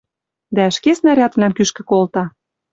Дӓ ӹшке снарядвлӓм кӱшкӹ колта.